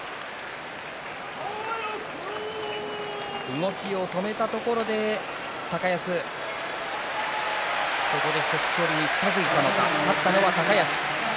動きを止めたところで高安そこで１つ勝利に近づいたのか勝ったのは高安。